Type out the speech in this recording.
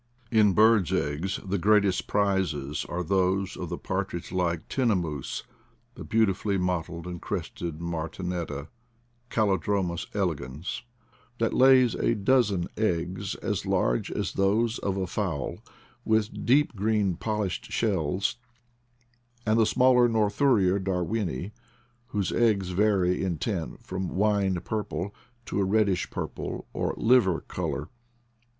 In birds' eggs, the greatest prizes are those of the partridge like tinamous, the beautifully mottled and crested martineta (Calodromas elegans), that lays a dozen eggs as large as those of a fowl, with deep green polished shells ; and the smaller Nothura darwini, whose eggs vary in tint from wine purple to a red dish purple or liver color.